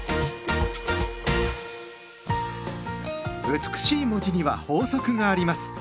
美しい文字には法則があります。